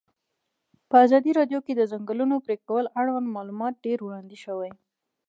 په ازادي راډیو کې د د ځنګلونو پرېکول اړوند معلومات ډېر وړاندې شوي.